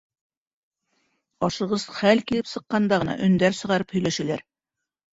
Ашығыс хәл килеп сыҡҡанда ғына өндәр сығарып һөйләшәләр.